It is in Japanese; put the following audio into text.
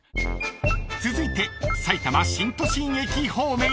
［続いてさいたま新都心駅方面へ］